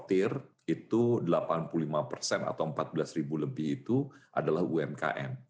menurut saya sampai sekarang dari dua belas pemain ekspor delapan puluh lima persen atau empat belas lebih itu adalah umkm